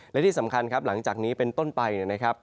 และที่สำคัญครับหลังจากนี้เป็นต้นไปนะครับ